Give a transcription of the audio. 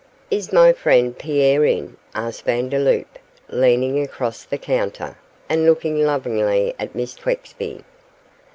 'Is my friend Pierre in?' asked Vandeloup, leaning across the counter, and looking lovingly at Miss Twexby.